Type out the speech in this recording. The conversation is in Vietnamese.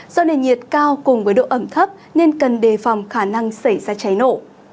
do nền nhiệt cao cùng với độ ẩm thấp nên cần đề phòng khả năng xảy ra cháy nổ